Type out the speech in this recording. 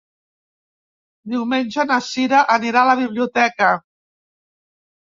Diumenge na Cira anirà a la biblioteca.